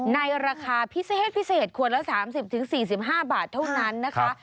ในราคาพิเศษพิเศษขวดละ๓๐๔๕บาทเท่านั้นนะคะ